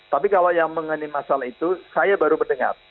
tapi kalau yang mengenai masalah itu saya baru mendengar